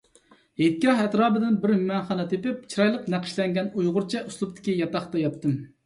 ھېيتگاھ ئەتراپىدىن بىر مېھمانخانا تېپىپ، چىرايلىق نەقىشلەنگەن ئۇيغۇرچە ئۇسلۇبتىكى ياتاقتا ياتتىم.